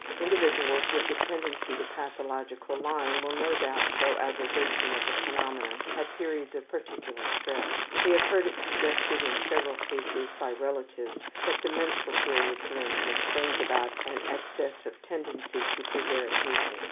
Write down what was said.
Individuals with a tendency to pathological lying will no doubt show aggravation of the phenomenon at periods of particular stress. We have heard it suggested in several cases by relatives that the menstrual period, for instance, brings about an access of tendency to prevarication.